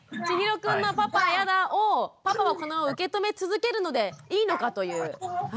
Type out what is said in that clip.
ちひろくんのパパやだをパパは受け止め続けるのでいいのかという。